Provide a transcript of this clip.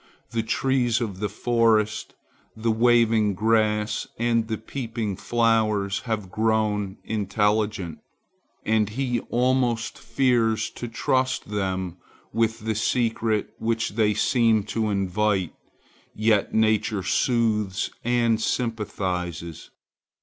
The trees of the forest, the waving grass and the peeping flowers have grown intelligent; and he almost fears to trust them with the secret which they seem to invite. Yet nature soothes and sympathizes.